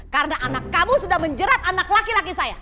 karena anak kamu sudah menjerat anak laki laki saya